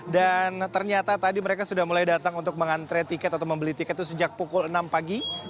dan ternyata tadi mereka sudah mulai datang untuk mengantre tiket atau membeli tiket itu sejak pukul enam pagi